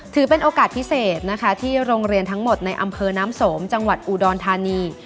ถือเป็นโอกาสพิเศษนะคะที่โรงเรียนทั้งหมดในอำเภอน้ำสมจังหวัดอุดรธานี